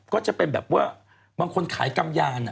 ก็จะเป็นแบบว่าบางคนขายกำยาน